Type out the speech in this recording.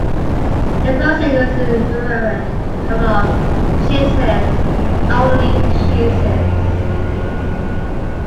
The first single is a reverent cover of "Jesus, Only Jesus".